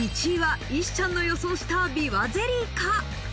１位は石ちゃんの予想したびわゼリーか？